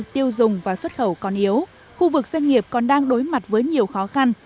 tiêu dùng và xuất khẩu còn yếu khu vực doanh nghiệp còn đang đối mặt với nhiều khó khăn